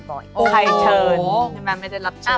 ใครเชิญใช่ไหมไม่ได้รับจ้าง